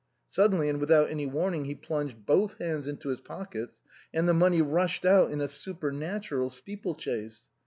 Suddenly, and without any warning, he plunged both hands into his pockets, and the money rushed out in a supernatural stee ple chase.